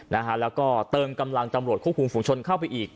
และก็เติมกำลังจำนวดควบคุมฝุ่งชนเข้าไปอีก